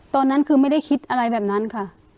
ตอนนั้นคือไม่ได้คิดอะไรแบบนั้นค่ะ